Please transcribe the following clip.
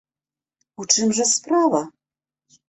У чым жа справа?